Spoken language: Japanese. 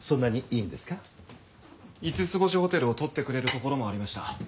五つ星ホテルを取ってくれるところもありました。